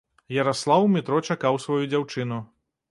Яраслаў у метро чакаў сваю дзяўчыну.